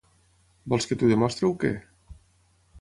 Vols que t'ho demostri o què?